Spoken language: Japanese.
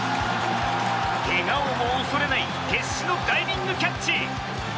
けがをも恐れない決死のダイビングキャッチ。